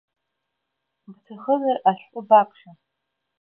Бҭахызар ашәҟәы баԥхьа.